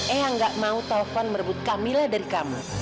eyang gak mau tovan merebut kamilah dari kamu